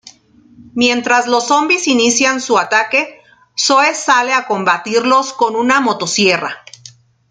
Mientras los zombis inician su ataque, Zoe sale a combatirlos con una motosierra.